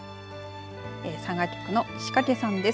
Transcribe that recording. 佐賀局の石掛さんです。